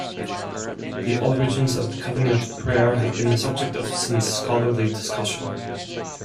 The origins of the covenant prayer have been the subject of some scholarly discussion.